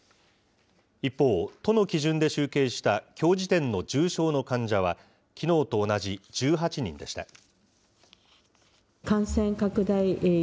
一方、都の基準で集計したきょう時点の重症の患者は、きのうと同じ１８人でした。